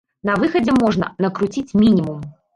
На выхадзе можна накруціць мінімум.